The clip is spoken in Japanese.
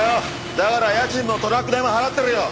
だから家賃もトラック代も払ってるよ。